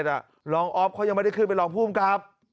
รองออฟเขายังไม่ได้ขึ้นเป็นรองภูมิกับ